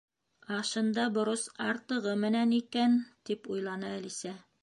«Ашында борос артығы менән икән!» —тип уйланы Әлисә.